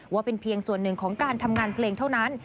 ว่าเป็นเพียงส่วนหนึ่งของการทำงานเพลงเท่านั้น